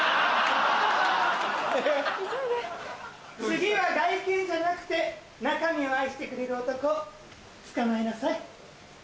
次は外見じゃなくて中身を愛してくれる男つかまえなさい。